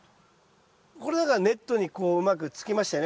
これなんかはネットにこううまくつきましたよね。